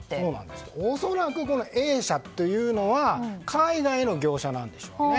恐らく、Ａ社というのは海外の業者なんでしょうね。